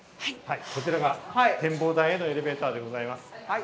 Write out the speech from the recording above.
こちらが展望台へのエレベーターでございます。